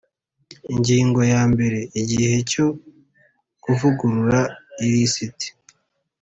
Ingingo yambere Igihe cyo kuvugurura ilisiti